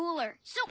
そう？